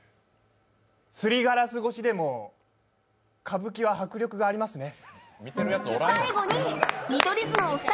すりガラス越しでも歌舞伎は迫力がありますね。